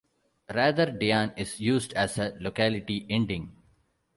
Rather, "dian" is used as a locality ending.